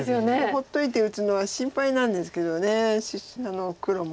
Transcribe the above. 放っといて打つのは心配なんですけど黒も。